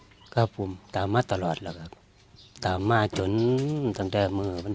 ลูกสาวเมียมาตลอดตามมาตลอดแล้วครับตามมาจนตังแต่เมื่อ